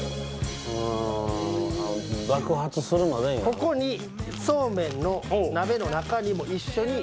ここにそうめんの鍋の中にもう一緒に。